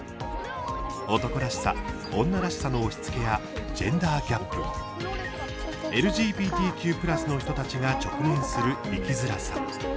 男らしさ、女らしさの押しつけやジェンダーギャップＬＧＢＴＱ＋の人たちが直面する生きづらさ。